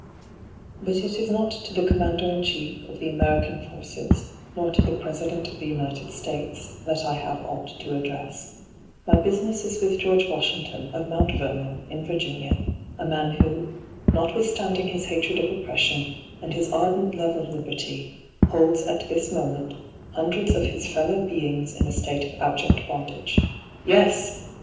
But it is not to the Commander in chief of the Ame rican forces, nor to the President of the United States, that I have aught to address ; my business is with George Washington, of Mount Vernon, in Virginia, a man who, notwithstanding his hatred of oppression, and his ardent love of liberty, holds at this moment hundreds of his fellow beings in a state of abject bond age. — Yes